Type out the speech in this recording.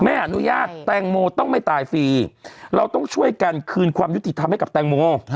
ไม่อนุญาตแตงโมต้องไม่ตายฟรีเราต้องช่วยกันคืนความยุติธรรมให้กับแตงโม